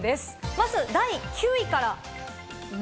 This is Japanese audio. まず第９位から。